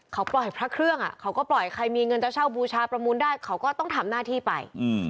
เขาปล่อยพระเครื่องเขาก็ปล่อยใครมีเงินจะเช่าบูชาประมูลได้เขาก็ต้องทำหน้าที่ไป